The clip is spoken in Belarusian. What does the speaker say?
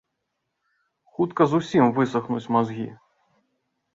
Хутка зусім высахнуць мазгі.